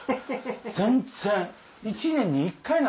全然！